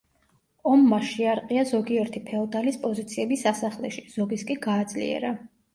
ომმა შეარყია ზოგიერთი ფეოდალის პოზიციები სასახლეში, ზოგის კი გააძლიერა.